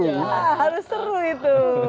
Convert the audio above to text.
harus seru itu